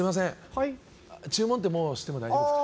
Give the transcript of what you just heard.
はい注文ってもうしても大丈夫ですか